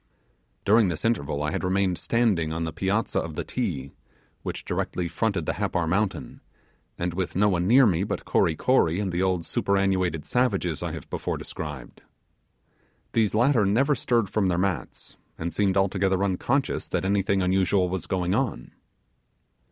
During this interval I had remained standing on the piazza of the 'Ti,' which directly fronted the Happar mountain, and with no one near me but Kory Kory and the old superannuated savages I have described. These latter never stirred from their mats, and seemed altogether unconscious that anything unusual was going on.